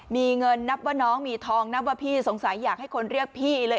มีเงินนับว่าน้องมีทองนับว่าพี่สงสัยอยากให้คนเรียกพี่เลย